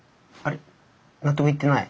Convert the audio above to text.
納得いってない？